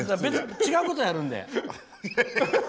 違うことをやるんで。